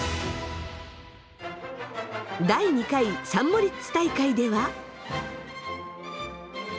第２回サン・モリッツ大会では。